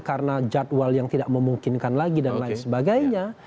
karena jadwal yang tidak memungkinkan lagi dan lain sebagainya